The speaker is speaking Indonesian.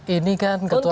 ini kan ketua